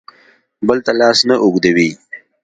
بل ته لاس نه اوږدوي.